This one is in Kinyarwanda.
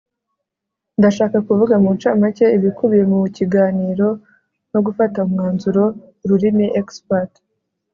ndashaka kuvuga mu ncamake ibikubiye mu kiganiro no gufata umwanzuro. (ururimiexpert